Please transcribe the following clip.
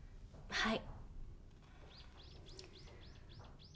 はい。